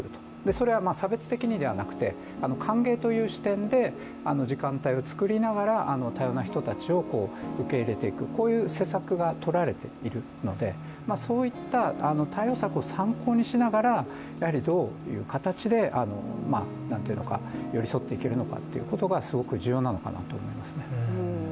それは差別的にではなくて歓迎という視点で時間帯を作りながら多様な人たちを受け入れていくこういう施策が取られているのでそういった対応策を参考にしながらどういう形で寄り添っていけるのかということがすごく重要なのかなと思いますね。